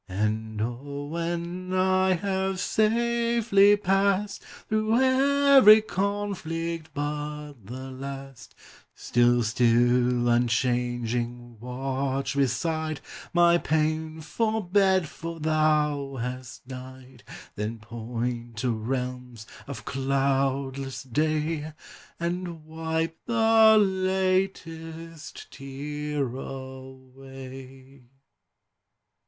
And oh, when I have safely past Through every conflict but the last, Still, still unchanging, watch beside My painful bed, for Thou hast died; Then point to realms of cloudless day, And wipe the latest tear away.